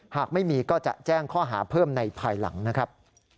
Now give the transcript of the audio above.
หากไม่มีก็จะแจ้งข้อหาเพิ่มในภายหลังนะครับ